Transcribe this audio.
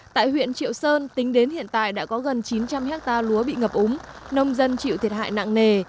tại huyện triệu sơn tính đến hiện tại đã có gần chín trăm linh hectare lúa bị ngập úng nông dân chịu thiệt hại nặng nề